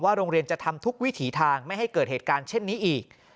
โรงเรียนจะทำทุกวิถีทางไม่ให้เกิดเหตุการณ์เช่นนี้อีก